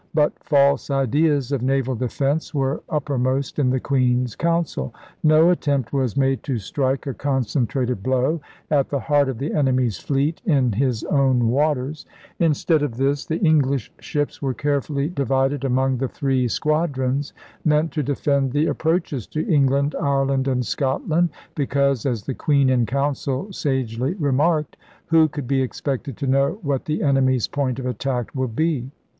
But false ideas of naval defence were upper most in the Queen's Council. No attempt was made to strike a concentrated blow at the heart of the enemy's fleet in his own waters. Instead of DRAKE CLIPS THE WINGS OF SPAIN 151 this the English ships were carefully divided among the three squadrons meant to defend the ap proaches to England, Ireland, and Scotland, be cause, as the Queen in Council sagely remarked, who could be expected to know what the enemy's point of attack would be?